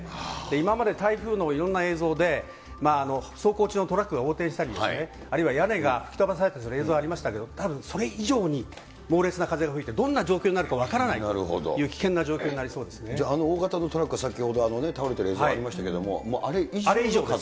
今まで台風のいろんな映像で、走行中のトラックが横転したりとか、あるいは屋根が吹き飛ばされたりする映像ありましたけど、たぶんそれ以上に猛烈な風が吹いて、どんな状況になるか分からないとじゃああの大型のトラック、先ほど倒れている映像ありましたけど、あれ以上の風？